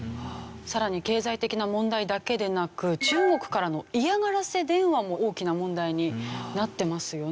さらに経済的な問題だけでなく中国からの嫌がらせ電話も大きな問題になってますよね。